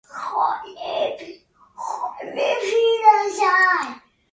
Many species, like "Pouteria maclayana" have edible fruits and are important foods seasonally.